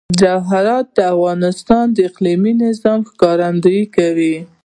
جواهرات د افغانستان د اقلیمي نظام ښکارندوی ده.